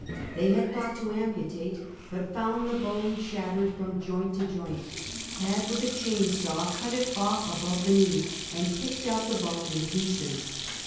They had thought to am putate, but found the bone shattered from joint to joint — had, with a chain saw, cut it off above the knee, and picked out the bone in pieces.